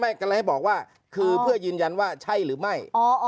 กำลังให้บอกว่าคือเพื่อยืนยันว่าใช่หรือไม่